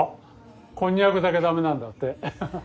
こんにゃくだけダメなんだってハハッ。